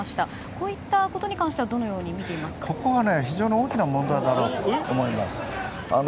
こういったことに関してはここは非常に大きな問題だと思います。